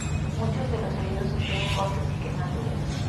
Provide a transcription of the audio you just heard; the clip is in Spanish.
Muchos de los heridos sufrieron cortes y quemaduras.